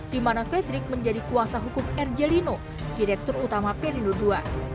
di mana fedrik menjadi kuasa hukum ergelino direktur utama pelindo ii